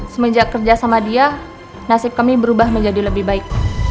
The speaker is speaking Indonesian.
semenjak kerja sama dia nasib kami berubah menjadi lebih baik